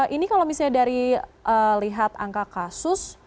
ini kalau misalnya dari lihat angka kasus